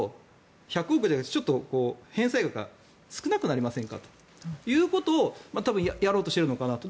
１００億円だと返済額が少なくなりませんかというので多分やろうとしているのかなと。